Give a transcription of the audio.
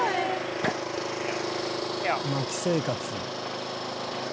薪生活。